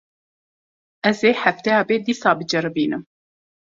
Ez ê hefteya bê dîsa biceribînim.